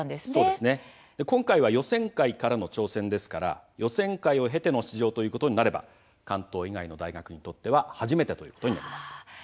今回は予選会からの挑戦ですから予選会を経ての出場ということになれば関東以外の大学にとっては初めてということになります。